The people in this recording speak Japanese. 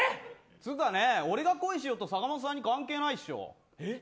俺が恋しようと坂本さんに関係ないでしょ。